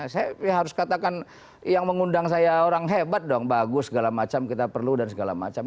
saya harus katakan yang mengundang saya orang hebat dong bagus segala macam kita perlu dan segala macam